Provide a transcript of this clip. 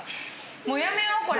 もうやめようこれ。